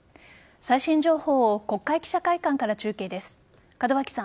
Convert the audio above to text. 最新情報を国会記者会館から中継です。